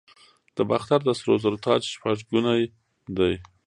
د باختر د سرو زرو تاج شپږ ګونی دی